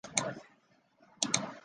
安吉尔是一个商业和零售中心。